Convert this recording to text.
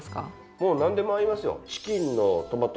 もうなんでも合いますよ